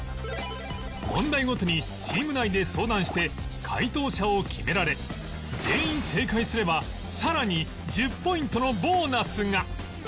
問題ごとにチーム内で相談して解答者を決められ全員正解すればさらに１０ポイントのボーナスが